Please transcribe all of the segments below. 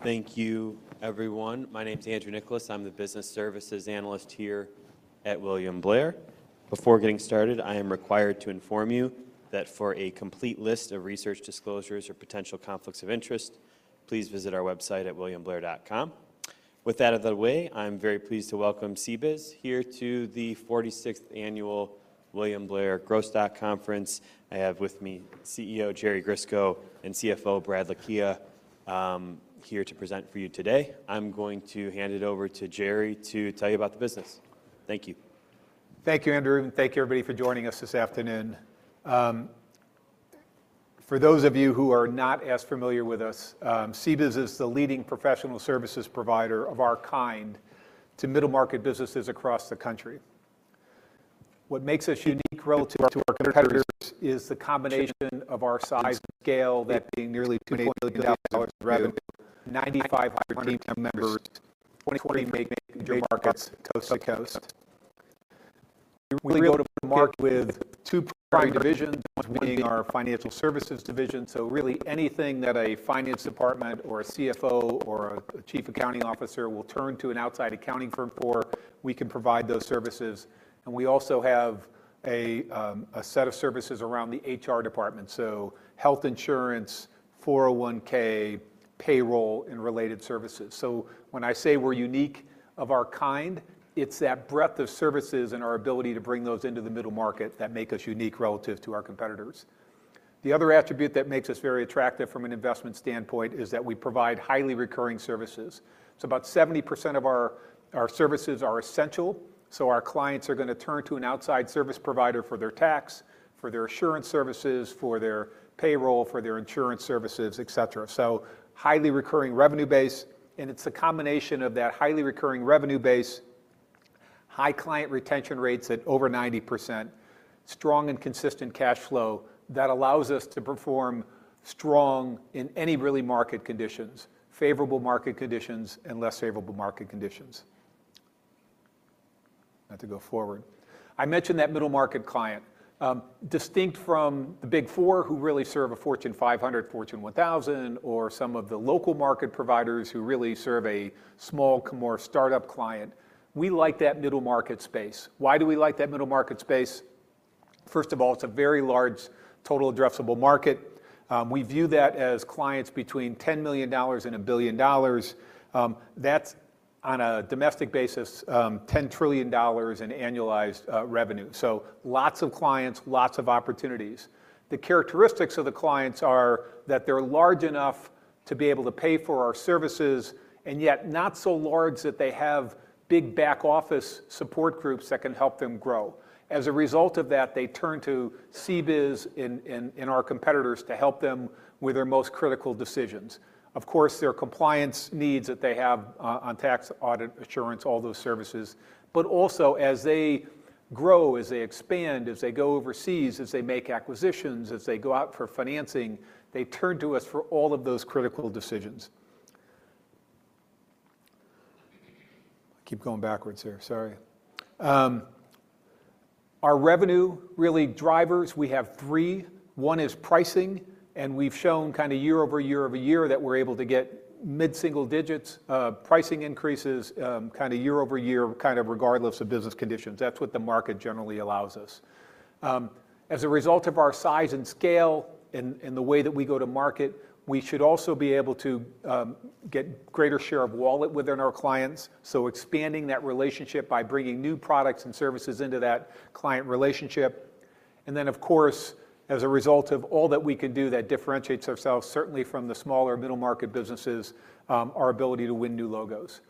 Thank you, everyone. My name's Andrew Nicholas. I'm the business services analyst here at William Blair. Before getting started, I am required to inform you that for a complete list of research disclosures or potential conflicts of interest, please visit our website at williamblair.com. With that out of the way, I'm very pleased to welcome CBIZ here to the 46th annual William Blair Growth Stock Conference. I have with me CEO Jerry Grisko and CFO Brad Lakhia here to present for you today. I'm going to hand it over to Jerry to tell you about the business. Thank you. Thank you, Andrew, and thank you everybody for joining us this afternoon. For those of you who are not as familiar with us, CBIZ is the leading professional services provider of our kind to middle-market businesses across the country. What makes us unique relative to our competitors is the combination of our size, scale that being nearly [$2 billion of revenue], 9,500 team members, 23 major markets coast to coast. We go to market with two primary divisions, one being our financial services division. Really anything that a finance department or a CFO or a Chief Accounting Officer will turn to an outside accounting firm for, we can provide those services. We also have a set of services around the HR department, so health insurance, 401(k), payroll, and related services. When I say we're unique of our kind, it's that breadth of services and our ability to bring those into the middle market that make us unique relative to our competitors. The other attribute that makes us very attractive from an investment standpoint is that we provide highly recurring services. About 70% of our services are essential, our clients are going to turn to an outside service provider for their tax, for their assurance services, for their payroll, for their insurance services, et cetera. Highly recurring revenue base, and it's a combination of that highly recurring revenue base, high client retention rates at over 90%, strong and consistent cash flow that allows us to perform strong in any really market conditions, favorable market conditions, and less favorable market conditions. I have to go forward. I mentioned that middle market client. Distinct from the Big Four, who really serve a Fortune 500, Fortune 1000, or some of the local market providers who really serve a small, more startup client, we like that middle market space. Why do we like that middle market space? First of all, it's a very large total addressable market. We view that as clients between $10 million and $1 billion. That's, on a domestic basis, $10 trillion in annualized revenue. Lots of clients, lots of opportunities. The characteristics of the clients are that they're large enough to be able to pay for our services, and yet not so large that they have big back-office support groups that can help them grow. As a result of that, they turn to CBIZ and our competitors to help them with their most critical decisions. Of course, their compliance needs that they have on tax audit assurance, all those services. Also, as they grow, as they expand, as they go overseas, as they make acquisitions, as they go out for financing, they turn to us for all of those critical decisions. I keep going backwards here. Sorry. Our revenue, really drivers, we have three. One is pricing, and we've shown year-over-year over year that we're able to get mid-single-digits pricing increases year-over-year, regardless of business conditions. That's what the market generally allows us. As a result of our size and scale and the way that we go to market, we should also be able to get greater share of wallet within our clients, so expanding that relationship by bringing new products and services into that client relationship. Of course, as a result of all that we can do that differentiates ourselves, certainly from the smaller middle market businesses, our ability to win new logos.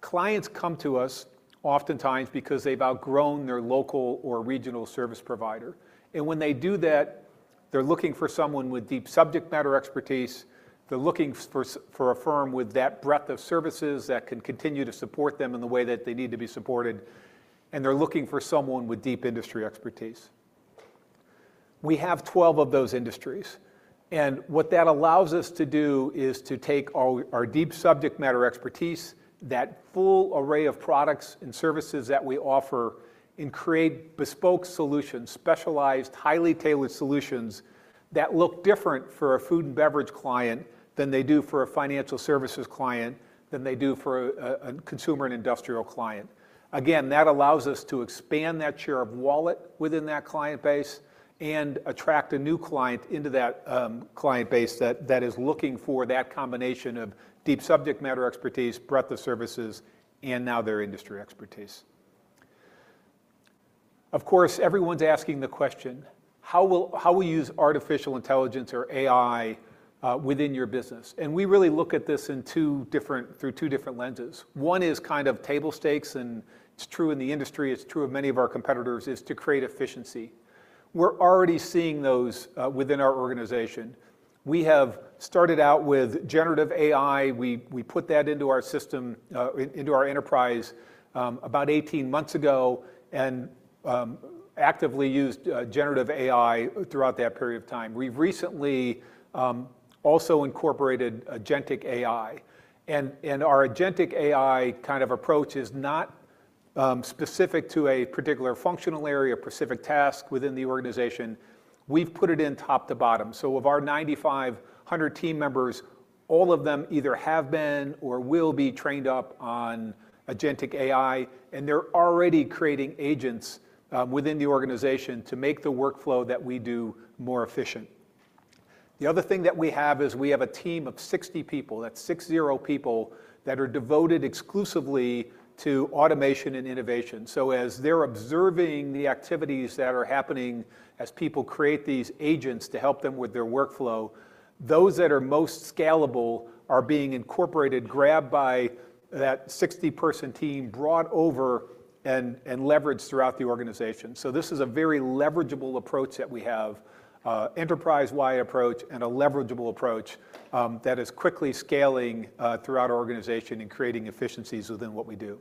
Clients come to us oftentimes because they've outgrown their local or regional service provider. When they do that, they're looking for someone with deep subject matter expertise. They're looking for a firm with that breadth of services that can continue to support them in the way that they need to be supported. They're looking for someone with deep industry expertise. We have 12 of those industries, what that allows us to do is to take our deep subject matter expertise, that full array of products and services that we offer, and create bespoke solutions, specialized, highly tailored solutions that look different for a food and beverage client than they do for a financial services client, than they do for a consumer and industrial client. That allows us to expand that share of wallet within that client base and attract a new client into that client base that is looking for that combination of deep subject matter expertise, breadth of services, and now their industry expertise. Everyone's asking the question, "How will you use artificial intelligence or AI within your business?" We really look at this through two different lenses. One is kind of table stakes, and it's true in the industry, it's true of many of our competitors, is to create efficiency. We're already seeing those within our organization. We have started out with generative AI. We put that into our enterprise about 18 months ago and actively used generative AI throughout that period of time. We've recently also incorporated agentic AI, and our agentic AI kind of approach is not specific to a particular functional area, a specific task within the organization, we've put it in top to bottom. Of our 9,500 team members, all of them either have been or will be trained up on agentic AI, and they're already creating agents within the organization to make the workflow that we do more efficient. The other thing that we have is we have a team of 60 people, that's 60 people, that are devoted exclusively to automation and innovation. As they're observing the activities that are happening as people create these agents to help them with their workflow, those that are most scalable are being incorporated, grabbed by that 60-person team, brought over, and leveraged throughout the organization. This is a very leverageable approach that we have, enterprise-wide approach, and a leverageable approach that is quickly scaling throughout our organization and creating efficiencies within what we do.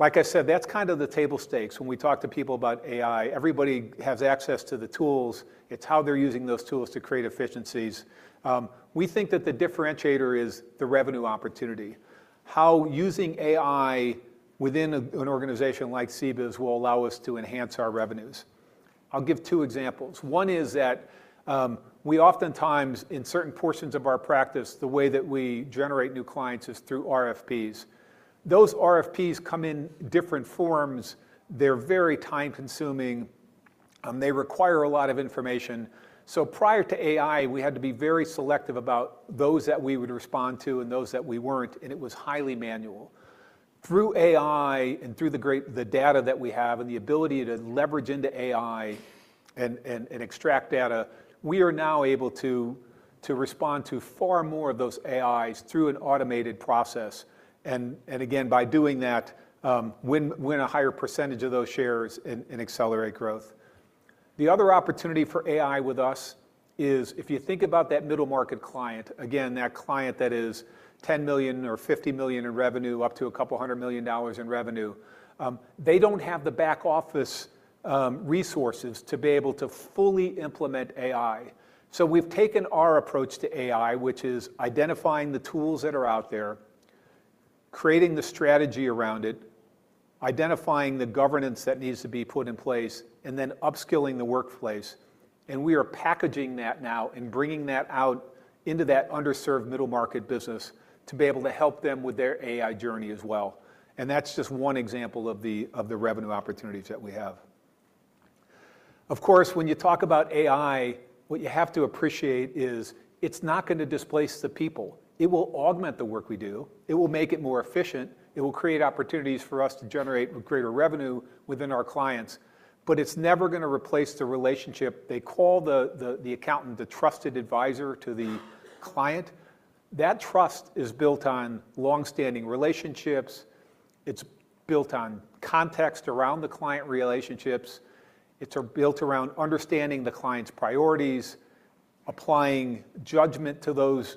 Like I said, that's kind of the table stakes. When we talk to people about AI, everybody has access to the tools. It's how they're using those tools to create efficiencies. We think that the differentiator is the revenue opportunity. How using AI within an organization like CBIZ will allow us to enhance our revenues. I'll give two examples. One is that we oftentimes, in certain portions of our practice, the way that we generate new clients is through RFPs. Those RFPs come in different forms. They're very time-consuming. They require a lot of information. Prior to AI, we had to be very selective about those that we would respond to and those that we weren't, and it was highly manual. Through AI and through the data that we have and the ability to leverage into AI and extract data, we are now able to respond to far more of those AIs through an automated process. Again, by doing that, win a higher percentage of those shares and accelerate growth. The other opportunity for AI with us is if you think about that middle market client, again, that client that is $10 million or $50 million in revenue, up to a couple of hundred million dollars in revenue, they don't have the back-office resources to be able to fully implement AI. We've taken our approach to AI, which is identifying the tools that are out there, creating the strategy around it, identifying the governance that needs to be put in place, and then upskilling the workplace. We are packaging that now and bringing that out into that underserved middle-market business to be able to help them with their AI journey as well. That's just one example of the revenue opportunities that we have. Of course, when you talk about AI, what you have to appreciate is it's not going to displace the people. It will augment the work we do. It will make it more efficient. It will create opportunities for us to generate greater revenue within our clients. But it's never going to replace the relationship. They call the accountant the trusted advisor to the client. That trust is built on long-standing relationships. It's built on context around the client relationships. It's built around understanding the client's priorities, applying judgment to those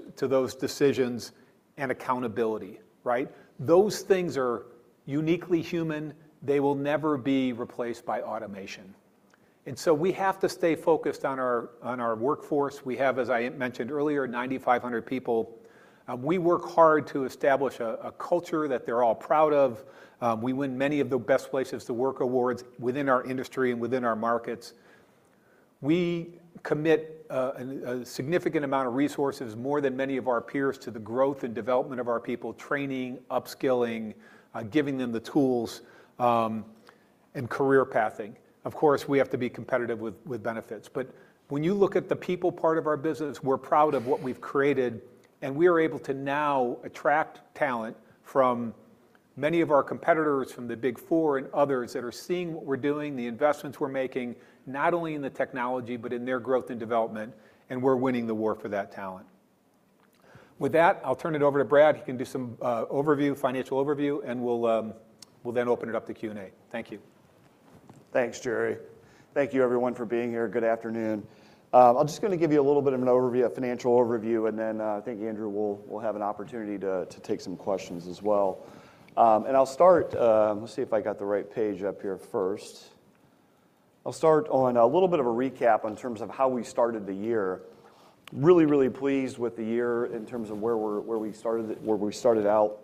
decisions, and accountability, right? Those things are uniquely human. They will never be replaced by automation. We have to stay focused on our workforce. We have, as I mentioned earlier, 9,500 people. We work hard to establish a culture that they're all proud of. We win many of the Best Places to Work Awards within our industry and within our markets. We commit a significant amount of resources, more than many of our peers, to the growth and development of our people, training, upskilling, giving them the tools, and career pathing. Of course, we have to be competitive with benefits. But when you look at the people part of our business, we're proud of what we've created, and we are able to now attract talent from many of our competitors from the Big Four and others that are seeing what we're doing, the investments we're making, not only in the technology, but in their growth and development, and we're winning the war for that talent. With that, I'll turn it over to Brad, who can do some financial overview, and we'll then open it up to Q&A. Thank you. Thanks, Jerry. Thank you everyone for being here. Good afternoon. I'm just going to give you a little bit of an overview, a financial overview, then I think Andrew will have an opportunity to take some questions as well. Let's see if I got the right page up here first. I'll start on a little bit of a recap in terms of how we started the year. Really, really pleased with the year in terms of where we started out.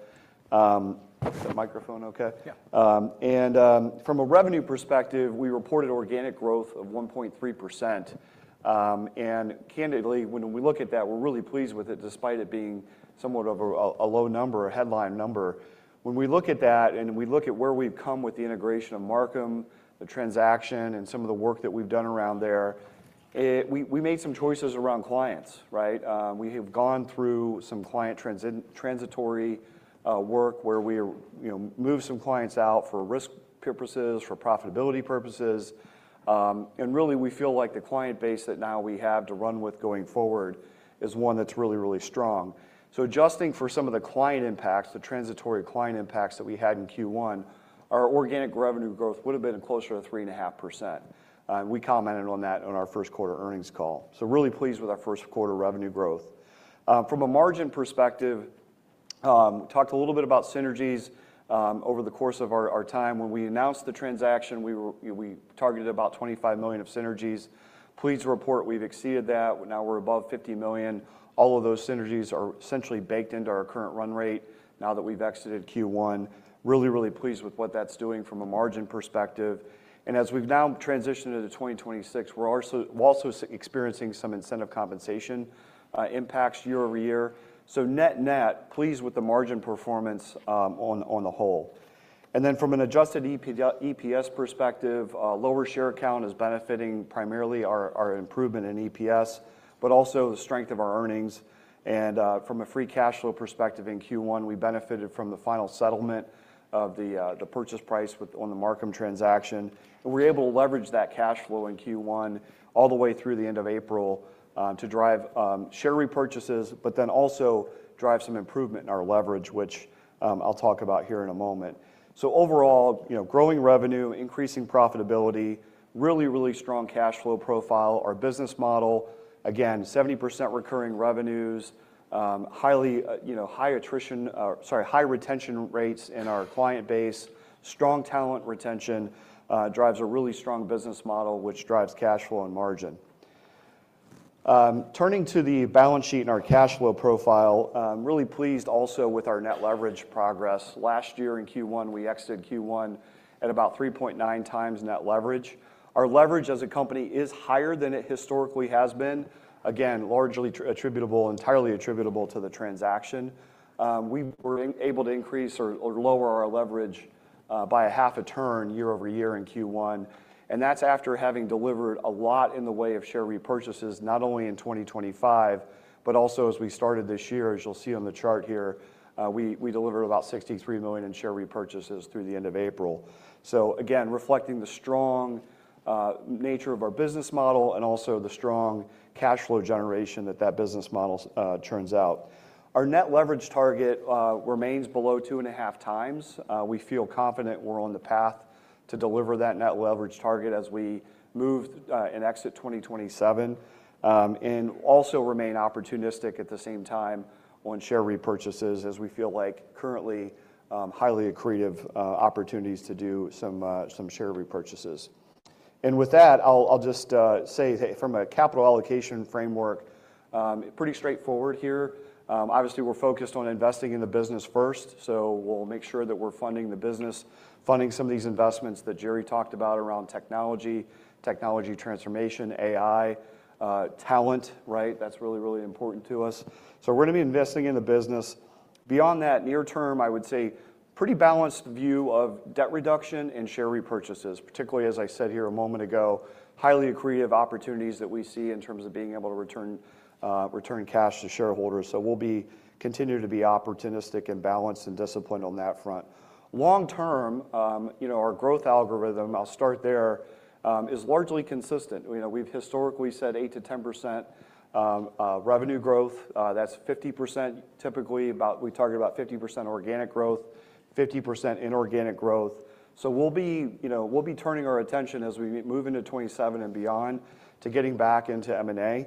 Is the microphone okay? Yeah. From a revenue perspective, we reported organic growth of 1.3%. Candidly, when we look at that, we're really pleased with it, despite it being somewhat of a low number, a headline number. When we look at that and we look at where we've come with the integration of Marcum, the transaction, and some of the work that we've done around there, we made some choices around clients, right? We have gone through some client transitory work where we moved some clients out for risk purposes, for profitability purposes. Really, we feel like the client base that now we have to run with going forward is one that's really, really strong. Adjusting for some of the client impacts, the transitory client impacts that we had in Q1, our organic revenue growth would've been closer to 3.5%. We commented on that on our first quarter earnings call. Really pleased with our first quarter revenue growth. From a margin perspective. We talked a little bit about synergies over the course of our time. When we announced the transaction, we targeted about $25 million of synergies. Pleased to report we've exceeded that. Now we're above $50 million. All of those synergies are essentially baked into our current run rate now that we've exited Q1. Really pleased with what that's doing from a margin perspective. As we've now transitioned into 2026, we're also experiencing some incentive compensation impacts year-over-year. Net-net, pleased with the margin performance on the whole. Then from an adjusted EPS perspective, lower share count is benefiting primarily our improvement in EPS, but also the strength of our earnings. From a free cash flow perspective in Q1, we benefited from the final settlement of the purchase price on the Marcum transaction. We were able to leverage that cash flow in Q1 all the way through the end of April to drive share repurchases, but then also drive some improvement in our leverage, which I'll talk about here in a moment. Overall, growing revenue, increasing profitability, really, really strong cash flow profile. Our business model, again, 70% recurring revenues. High retention rates in our client base. Strong talent retention drives a really strong business model, which drives cash flow and margin. Turning to the balance sheet and our cash flow profile, really pleased also with our net leverage progress. Last year in Q1, we exited Q1 at about 3.9x net leverage. Our leverage as a company is higher than it historically has been. Again, largely attributable, entirely attributable to the transaction. We were able to increase or lower our leverage by a half a turn year-over-year in Q1. That's after having delivered a lot in the way of share repurchases, not only in 2025, but also as we started this year. As you'll see on the chart here, we delivered about $63 million in share repurchases through the end of April. Again, reflecting the strong nature of our business model and also the strong cash flow generation that business model churns out. Our net leverage target remains below 2.5x. We feel confident we're on the path to deliver that net leverage target as we move and exit 2027, also remain opportunistic at the same time on share repurchases as we feel like currently, highly accretive opportunities to do some share repurchases. With that, I'll just say from a capital allocation framework, pretty straightforward here. Obviously, we're focused on investing in the business first, so we'll make sure that we're funding the business, funding some of these investments that Jerry talked about around technology transformation, AI, talent, right? That's really, really important to us. We're going to be investing in the business. Beyond that near term, I would say pretty balanced view of debt reduction and share repurchases, particularly as I said here a moment ago, highly accretive opportunities that we see in terms of being able to return cash to shareholders. We'll continue to be opportunistic and balanced and disciplined on that front. Long term, our growth algorithm, I'll start there, is largely consistent. We've historically said 8%-10% revenue growth. That's 50% typically, about we target about 50% organic growth, 50% inorganic growth. We'll be turning our attention as we move into 2027 and beyond to getting back into M&A,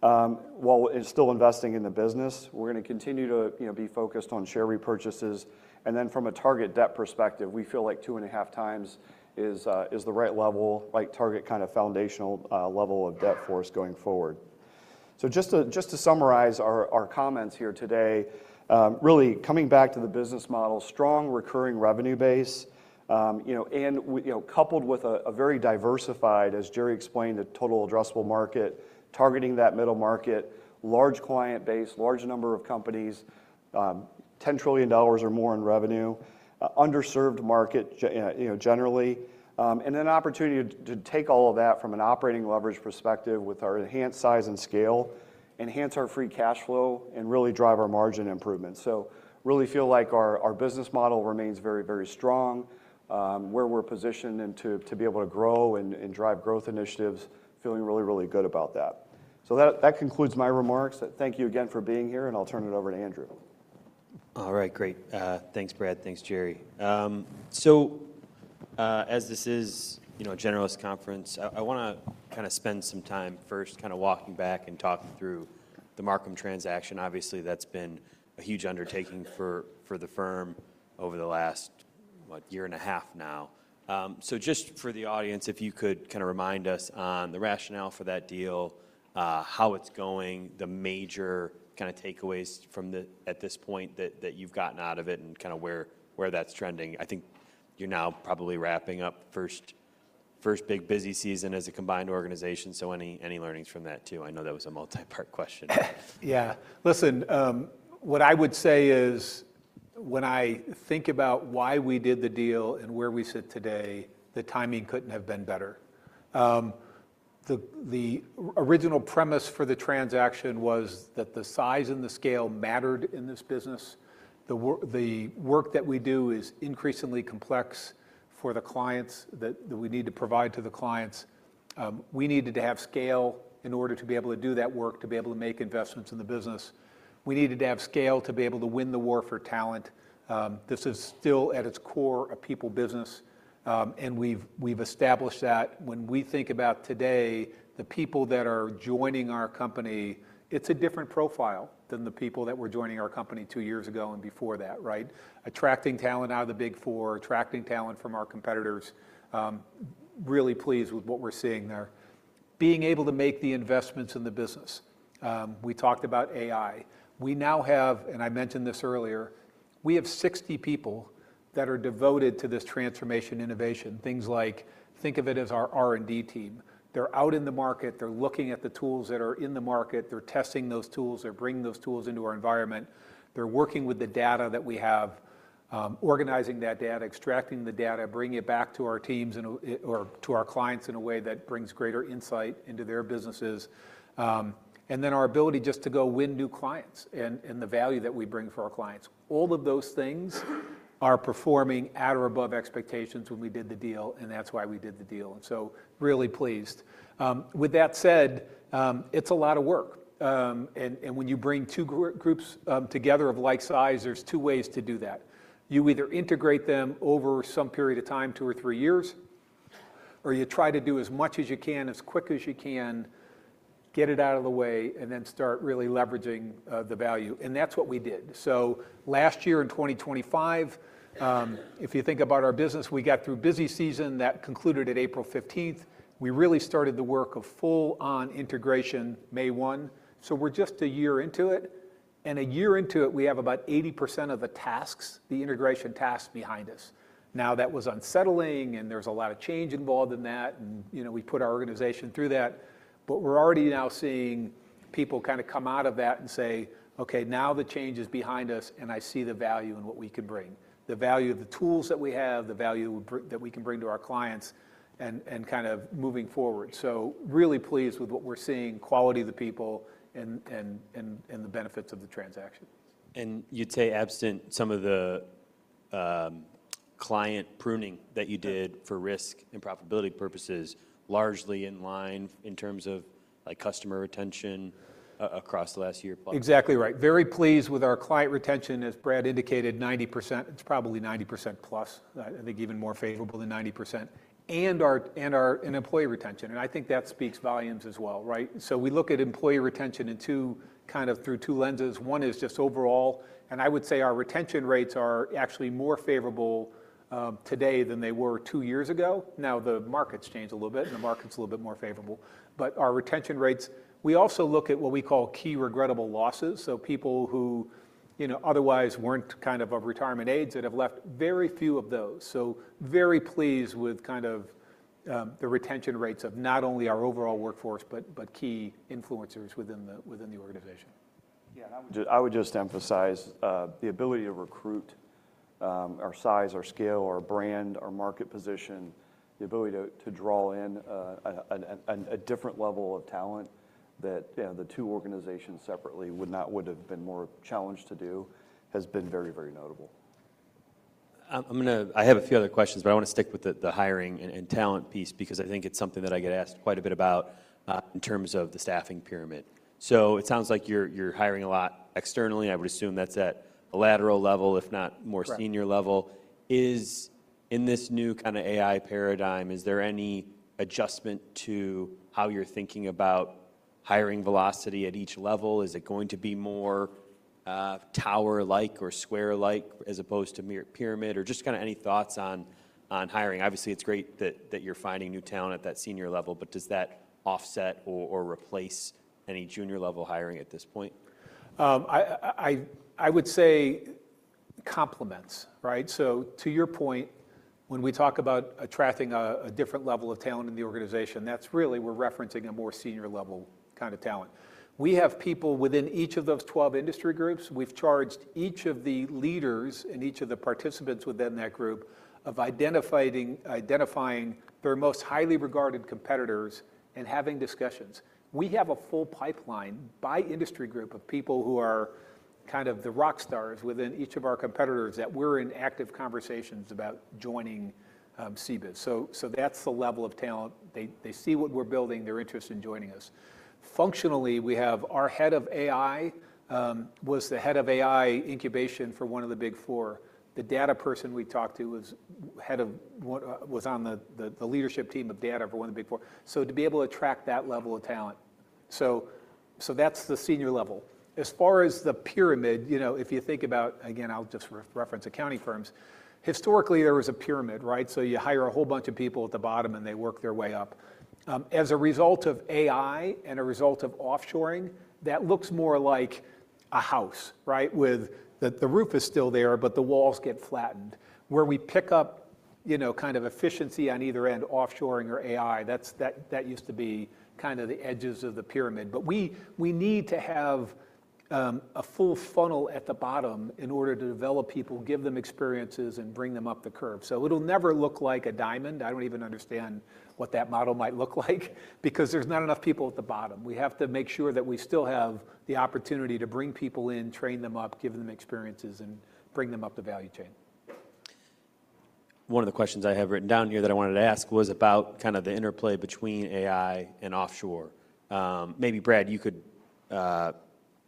while still investing in the business. We're going to continue to be focused on share repurchases. Then from a target debt perspective, we feel like 2.5x is the right level, right target, kind of foundational level of debt for us going forward. Just to summarize our comments here today, really coming back to the business model, strong recurring revenue base, coupled with a very diversified, as Jerry explained, the total addressable market, targeting that middle market, large client base, large number of companies, $10 trillion or more in revenue, underserved market generally. Then an opportunity to take all of that from an operating leverage perspective with our enhanced size and scale, enhance our free cash flow, and really drive our margin improvement. Really feel like our business model remains very, very strong, where we're positioned to be able to grow and drive growth initiatives. Feeling really, really good about that. That concludes my remarks. Thank you again for being here, and I'll turn it over to Andrew. All right. Great. Thanks, Brad. Thanks, Jerry. As this is a generalist conference, I want to kind of spend some time first walking back and talking through the Marcum transaction. Obviously, that's been a huge undertaking for the firm over the last, what, year and a half now. Just for the audience, if you could kind of remind us on the rationale for that deal, how it's going, the major kind of takeaways at this point that you've gotten out of it and kind of where that's trending. I think you're now probably wrapping up first big busy season as a combined organization. Any learnings from that, too? I know that was a multi-part question. Yeah. Listen, what I would say is, when I think about why we did the deal and where we sit today, the timing couldn't have been better. The original premise for the transaction was that the size and the scale mattered in this business. The work that we do is increasingly complex for the clients that we need to provide to the clients. We needed to have scale in order to be able to do that work, to be able to make investments in the business. We needed to have scale to be able to win the war for talent. This is still at its core a people business, and we've established that. When we think about today, the people that are joining our company, it's a different profile than the people that were joining our company two years ago and before that, right? Attracting talent out of the Big Four, attracting talent from our competitors. Really pleased with what we're seeing there. Being able to make the investments in the business. We talked about AI. We now have, and I mentioned this earlier, we have 60 people that are devoted to this transformation innovation. Things like, think of it as our R&D team. They're out in the market. They're looking at the tools that are in the market. They're testing those tools. They're bringing those tools into our environment. They're working with the data that we have, organizing that data, extracting the data, bringing it back to our teams, or to our clients in a way that brings greater insight into their businesses. Our ability just to go win new clients and the value that we bring for our clients. All of those things are performing at or above expectations when we did the deal, and that's why we did the deal. Really pleased. With that said, it's a lot of work. When you bring two groups together of like size, there's two ways to do that. You either integrate them over some period of time, two or three years, or you try to do as much as you can, as quick as you can, get it out of the way, and then start really leveraging the value. That's what we did. Last year in 2025, if you think about our business, we got through busy season. That concluded at April 15th. We really started the work of full on integration May 1. We're just a year into it. A year into it, we have about 80% of the tasks, the integration tasks behind us. That was unsettling, and there's a lot of change involved in that, and we put our organization through that, but we're already now seeing people kind of come out of that and say, "Okay, now the change is behind us, and I see the value in what we can bring, the value of the tools that we have, the value that we can bring to our clients," and kind of moving forward. Really pleased with what we're seeing, quality of the people and the benefits of the transaction. You'd say absent some of the client pruning that you did for risk and profitability purposes, largely in line in terms of customer retention across the last year. Exactly right. Very pleased with our client retention. As Brad indicated, 90%. It's probably 90%+. I think even more favorable than 90%. Our employee retention, I think that speaks volumes as well, right? We look at employee retention kind of through two lenses. One is just overall, I would say our retention rates are actually more favorable today than they were two years ago. Now, the market's changed a little bit, and the market's a little bit more favorable. Our retention rates, we also look at what we call key regrettable losses. People who otherwise weren't kind of retirement aids that have left. Very few of those. Very pleased with the retention rates of not only our overall workforce, but key influencers within the organization. Yeah, I would just emphasize, the ability to recruit, our size, our scale, our brand, our market position, the ability to draw in a different level of talent that the two organizations separately would have been more challenged to do, has been very notable. I have a few other questions, but I want to stick with the hiring and talent piece because I think it's something that I get asked quite a bit about in terms of the staffing pyramid. It sounds like you're hiring a lot externally. I would assume that's at a lateral level, if not more. Correct senior level. In this new kind of AI paradigm, is there any adjustment to how you're thinking about hiring velocity at each level? Is it going to be more tower-like or square-like as opposed to pyramid, or just kind of any thoughts on hiring? Obviously, it's great that you're finding new talent at that senior level, but does that offset or replace any junior level hiring at this point? I would say complements, right? To your point, when we talk about attracting a different level of talent in the organization, that's really, we're referencing a more senior level kind of talent. We have people within each of those 12 industry groups. We've charged each of the leaders and each of the participants within that group of identifying their most highly regarded competitors and having discussions. We have a full pipeline by industry group of people who are kind of the rock stars within each of our competitors that we're in active conversations about joining CBIZ. That's the level of talent. They see what we're building, they're interested in joining us. Functionally, we have our head of AI, was the head of AI incubation for one of the Big Four. The data person we talked to was on the leadership team of data for one of the Big Four. To be able to attract that level of talent. That's the senior level. As far as the pyramid, if you think about, again, I'll just reference accounting firms. Historically, there was a pyramid, right? You hire a whole bunch of people at the bottom, and they work their way up. As a result of AI and a result of offshoring, that looks more like a house, right? The roof is still there, but the walls get flattened. Where we pick up efficiency on either end, offshoring or AI, that used to be kind of the edges of the pyramid. We need to have a full funnel at the bottom in order to develop people, give them experiences, and bring them up the curve. It'll never look like a diamond. I don't even understand what that model might look like because there's not enough people at the bottom. We have to make sure that we still have the opportunity to bring people in, train them up, give them experiences, and bring them up the value chain. One of the questions I have written down here that I wanted to ask was about kind of the interplay between AI and offshore. Maybe Brad, you could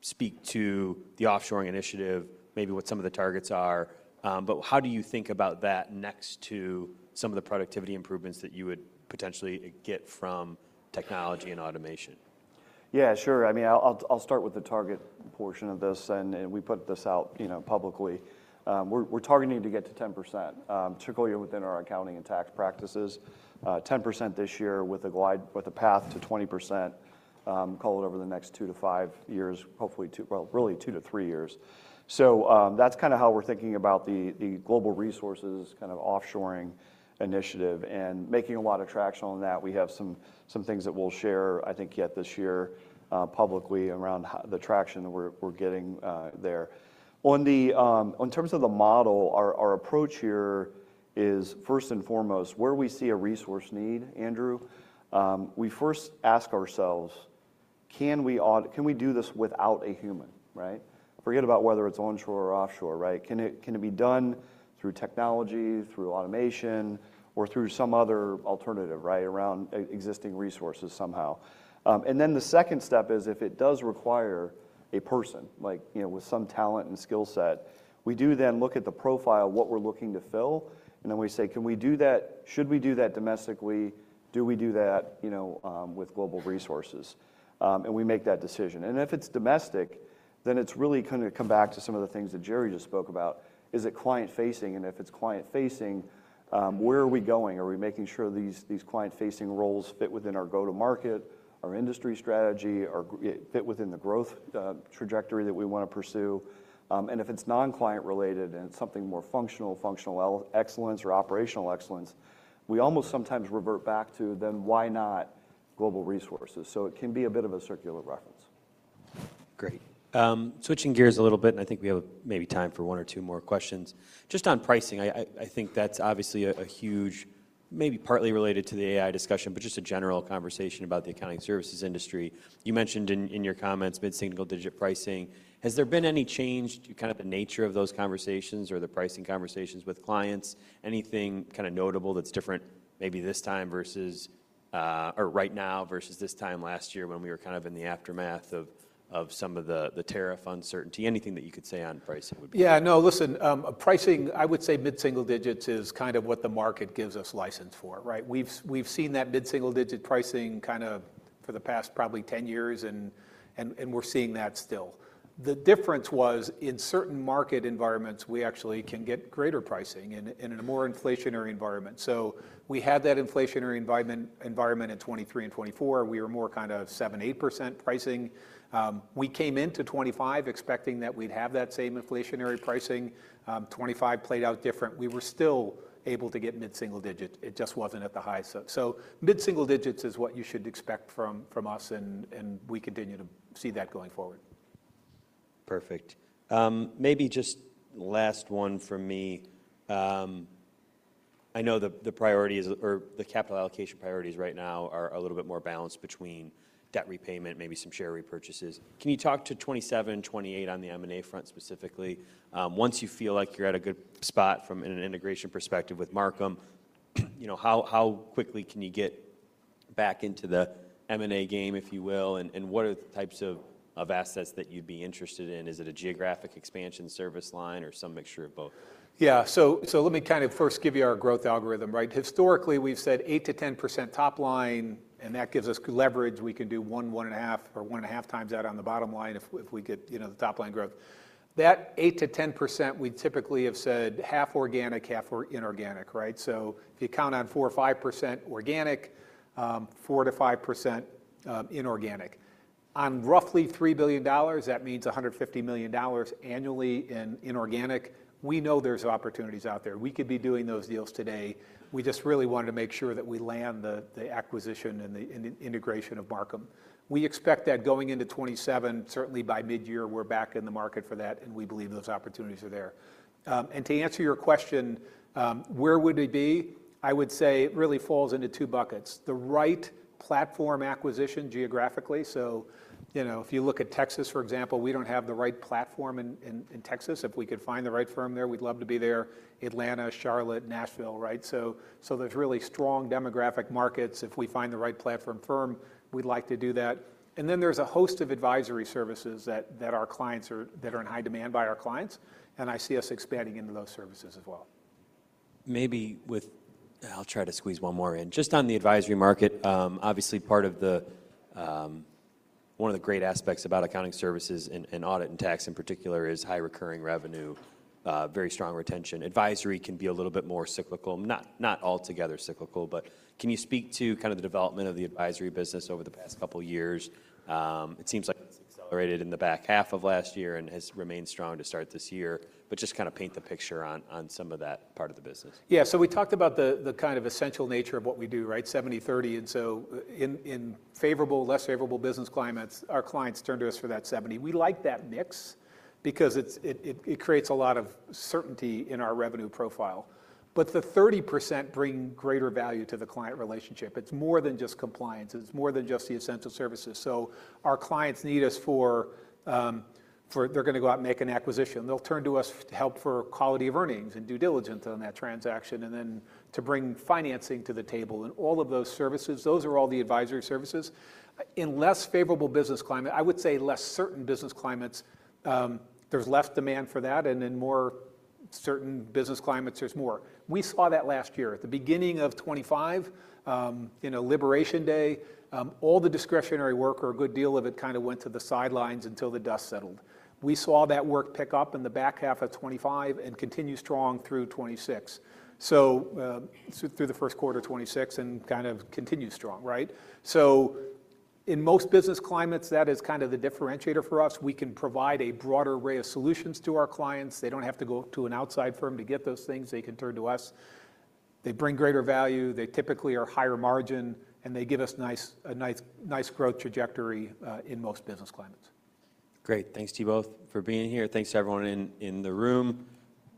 speak to the offshoring initiative, maybe what some of the targets are. How do you think about that next to some of the productivity improvements that you would potentially get from technology and automation? Yeah, sure. I'll start with the target portion of this, and we put this out publicly. We're targeting to get to 10%, particularly within our accounting and tax practices. 10% this year with a path to 20%, call it over the next two to five years, well, really two to three years. That's kind of how we're thinking about the global resources kind of offshoring initiative, and making a lot of traction on that. We have some things that we'll share, I think yet this year, publicly around the traction that we're getting there. On terms of the model, our approach here is first and foremost, where we see a resource need, Andrew, we first ask ourselves, can we do this without a human, right? Forget about whether it's onshore or offshore, right? Can it be done through technology, through automation, or through some other alternative, right, around existing resources somehow? The second step is if it does require a person with some talent and skill set, we do then look at the profile, what we're looking to fill, then we say, "Should we do that domestically?" Do we do that with global resources? And we make that decision. If it's domestic, then it's really come back to some of the things that Jerry just spoke about. Is it client-facing? If it's client-facing, where are we going? Are we making sure these client-facing roles fit within our go-to-market, our industry strategy, or fit within the growth trajectory that we want to pursue? If it's non-client related and it's something more functional excellence or operational excellence, we almost sometimes revert back to then why not global resources? It can be a bit of a circular reference. Great. Switching gears a little bit, I think we have maybe time for one or two more questions. Just on pricing, I think that's obviously a huge, maybe partly related to the AI discussion, just a general conversation about the accounting services industry. You mentioned in your comments mid-single digit pricing. Has there been any change to kind of the nature of those conversations or the pricing conversations with clients? Anything kind of notable that's different maybe right now versus this time last year when we were kind of in the aftermath of some of the tariff uncertainty? Anything that you could say on pricing would be- Listen, pricing, I would say mid-single digits is kind of what the market gives us license for, right? We've seen that mid-single digit pricing kind of for the past probably 10 years, we're seeing that still. The difference was, in certain market environments, we actually can get greater pricing in a more inflationary environment. We had that inflationary environment in 2023 and 2024. We were more kind of 7%-8% pricing. We came into 2025 expecting that we'd have that same inflationary pricing. 2025 played out different. We were still able to get mid-single digit. It just wasn't at the high. Mid-single digits is what you should expect from us, we continue to see that going forward. Perfect. Maybe just last one from me. I know the capital allocation priorities right now are a little bit more balanced between debt repayment, maybe some share repurchases. Can you talk to 2027, 2028 on the M&A front specifically? Once you feel like you're at a good spot from an integration perspective with Marcum, how quickly can you get back into the M&A game, if you will, and what are the types of assets that you'd be interested in? Is it a geographic expansion service line or some mixture of both? Yeah. Let me kind of first give you our growth algorithm, right? Historically, we've said 8%-10% top line, and that gives us leverage. We can do 1.5, or 1.5x that on the bottom line if we get the top-line growth. That 8%-10%, we'd typically have said half organic, half inorganic, right? If you count on 4% or 5% organic, 4%-5% inorganic. On roughly $3 billion, that means $150 million annually in inorganic. We know there's opportunities out there. We could be doing those deals today. We just really wanted to make sure that we land the acquisition and the integration of Marcum. We expect that going into 2027, certainly by mid-year, we're back in the market for that, and we believe those opportunities are there. To answer your question, where would we be? I would say it really falls into two buckets. The right platform acquisition geographically. If you look at Texas, for example, we don't have the right platform in Texas. If we could find the right firm there, we'd love to be there. Atlanta, Charlotte, Nashville, right? There's really strong demographic markets. If we find the right platform firm, we'd like to do that. There's a host of advisory services that are in high demand by our clients, and I see us expanding into those services as well. I'll try to squeeze one more in. Just on the advisory market, obviously one of the great aspects about accounting services, and audit and tax in particular, is high recurring revenue, very strong retention. Advisory can be a little bit more cyclical, not altogether cyclical, can you speak to kind of the development of the advisory business over the past couple of years? It seems like it's accelerated in the back half of last year and has remained strong to start this year, just kind of paint the picture on some of that part of the business. We talked about the kind of essential nature of what we do, right? 70/30. In favorable, less favorable business climates, our clients turn to us for that 70%. We like that mix because it creates a lot of certainty in our revenue profile. The 30% bring greater value to the client relationship. It's more than just compliance. It's more than just the essential services. Our clients need us. They're going to go out and make an acquisition. They'll turn to us to help for quality of earnings and due diligence on that transaction, to bring financing to the table. All of those services, those are all the advisory services. In less favorable business climate, I would say less certain business climates, there's less demand for that. In more certain business climates, there's more. We saw that last year. At the beginning of 2025, Liberation Day, all the discretionary work or a good deal of it kind of went to the sidelines until the dust settled. We saw that work pick up in the back half of 2025 and continue strong through 2026. Through the first quarter of 2026 and kind of continued strong, right? In most business climates, that is kind of the differentiator for us. We can provide a broad array of solutions to our clients. They don't have to go to an outside firm to get those things. They can turn to us. They bring greater value, they typically are higher margin, and they give us a nice growth trajectory, in most business climates. Great. Thanks to you both for being here. Thanks to everyone in the room.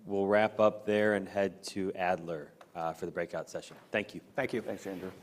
We'll wrap up there and head to Adler for the breakout session. Thank you. Thank you. Thanks, Andrew.